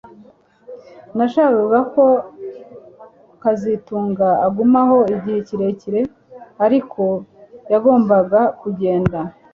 Nashakaga ko kazitunga agumaho igihe kirekire ariko yagombaga kugenda